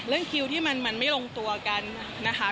คิวที่มันไม่ลงตัวกันนะคะ